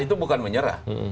itu bukan menyerah